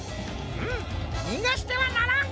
うむにがしてはならん！